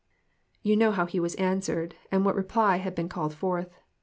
You know how he was answered, and what reply had been called forth.